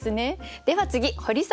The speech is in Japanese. では次ホリさん